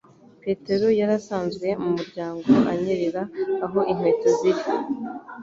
Petero yari asanzwe ku muryango anyerera aho nkweto ziri